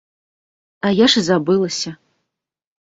А я ж і забылася!